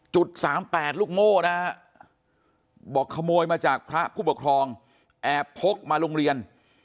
๓๘ลูกโม่นะฮะบอกขโมยมาจากพระผู้ปกครองแอบพกมาโรงเรียน